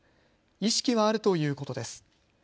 意識はあるということです。